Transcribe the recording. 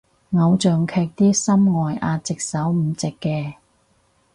偶像劇啲心外壓隻手唔直嘅